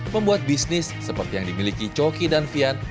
membuat bisnis seperti yang dimiliki coki dan fian